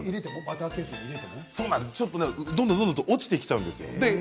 どんどん落ちてきちゃうんですよ。